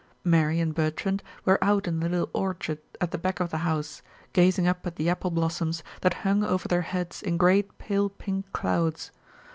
Mary and Bertrand were out in the little orchard at the back of the house, gazing up at the apple blossoms that hung over their heads in great pale pink clouds.